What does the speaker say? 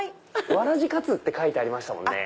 わらじかつって書いてましたね。